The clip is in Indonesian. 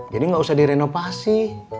jadi gak usah direnovasi